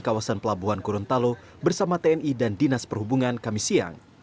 kawasan pelabuhan gorontalo bersama tni dan dinas perhubungan kami siang